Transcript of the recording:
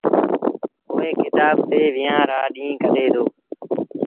اُئي ڪتآب تي ويهآݩ رآ ڏيٚݩهݩ ڪڍي دو۔